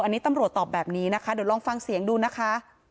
อันนี้ตำรวจตอบแบบนี้นะคะเดี๋ยวลองฟังเสียงดูนะคะ